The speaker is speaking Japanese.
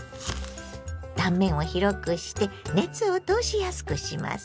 断面を広くして熱を通しやすくします。